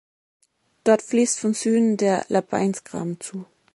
Dort fließt von Süden der Lapainzgraben zu.